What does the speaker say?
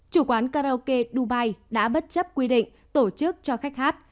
chủ quán karaoke dubai đã bất chấp quy định tổ chức cho khách hát